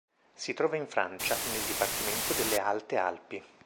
Si trova in Francia, nel dipartimento delle Alte Alpi.